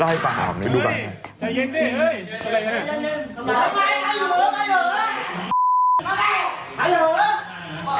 นี่ไงพอออกมามันก็เลยโดนเอามันเลย